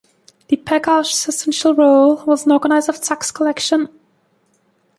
The pagarch's essential role was as an organizer of tax-collection.